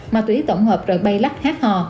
ma túy tổng hợp rồi bay lắc hát hò